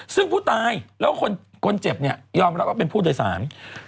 ซึ่งผู้ตายแล้วคนเจ็บเนี่ยยอมรับว่าเป็นผู้โดยสาร